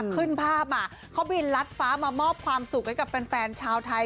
ขึ้นภาพมาเขาบินลัดฟ้ามามอบความสุขให้กับแฟนชาวไทย